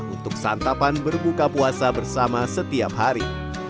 untuk santapan berbuka puasa bersama setiap hari